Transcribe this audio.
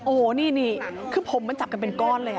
โอ้โหนี่คือผมมันจับกันเป็นก้อนเลย